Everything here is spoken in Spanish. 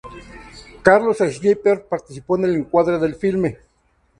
Carlos Schlieper participó en el encuadre del filme.